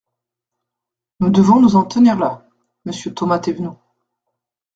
Nous devons nous en tenir là, monsieur Thomas Thévenoud.